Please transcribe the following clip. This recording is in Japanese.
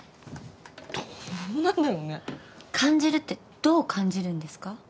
感じるってどう感じるんですか？